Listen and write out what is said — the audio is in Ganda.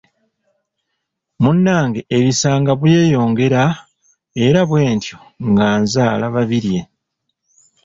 Munnange ebisa nga byeyongera era bwentyo nga nzaala Babirye.